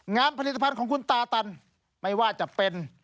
งานผลิตภัณฑ์ของคุณตาตันไม่ว่าจะเป็น